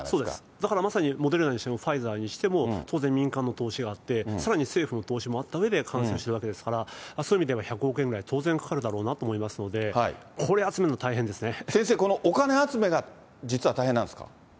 だからまさにモデルナにしても、ファイザーにしても、当然民間の投資があって、さらに政府の投資もあったうえで、完成してるわけですから、そういう意味では１００億円ぐらい当然かかるだろうなと思います先生、このお金集めが実は大変なんですか。